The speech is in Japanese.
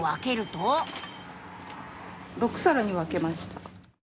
・６さらに分けました。